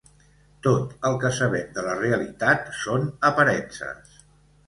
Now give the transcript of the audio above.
Tot el que sabem de la realitat són aparences.